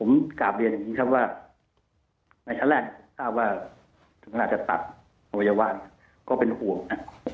ผมกลับเรียนอย่างนี้ครับว่าในชั้นแรกที่ผมทราบว่าถึงกำลังจะตัดภัยวาลก็เป็นห่วงนะครับ